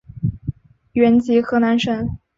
原籍河南省。